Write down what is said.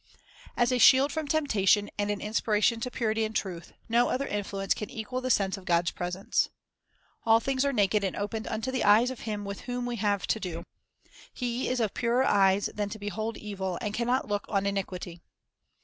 As a shield from temptation and an inspiration to purity and truth, no other influence can equal the sense of God's presence. "All things are naked and opened unto the eyes of Him with whom we have to do." He is "of purer eyes than to behold evil, and can not look on iniquity."